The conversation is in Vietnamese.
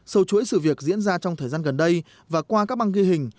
sâu chuỗi sự việc diễn ra trong thời gian gần đây và qua các băng ghi hình